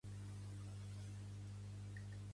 Ens manaven a capar perquè no tinguéssim fills